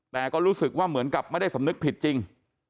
แต่ก็รู้สึกว่าเหมือนกับไม่ได้สำนึกผิดจริง